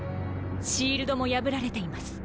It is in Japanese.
シールドも破られています。